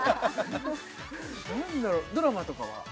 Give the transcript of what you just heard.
何だろドラマとかは？